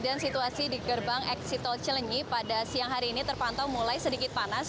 situasi di gerbang eksit tol cilenyi pada siang hari ini terpantau mulai sedikit panas